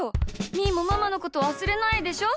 みーもママのことわすれないでしょ？